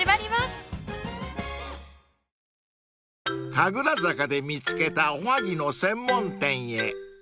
［神楽坂で見つけたおはぎの専門店へ］